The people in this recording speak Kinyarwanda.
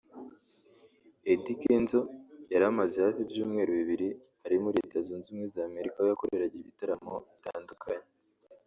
Eddy Kenzo yari amaze hafi ibyumweru bibiri ari muri Leta Zunze Ubumwe za Amerika aho yakoreraga ibitaramo bitandukanye